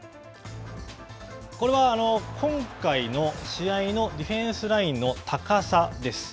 これは今回の試合のディフェンスラインの高さです。